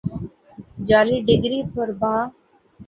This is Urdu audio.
جعلی ڈگری پر بھا